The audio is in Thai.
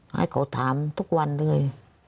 ให้เขาถามทุกวันเลย